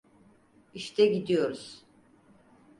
İşte gidiyoruz.